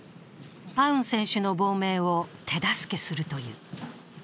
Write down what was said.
アウン選手の亡命を手助けするという。